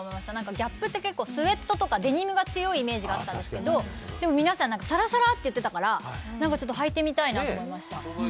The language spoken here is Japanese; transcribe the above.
ＧＡＰでスエットとかデニムが強いイメージがあったんだけど皆さんサラサラって言ってたから、はいてみたいなと思いました。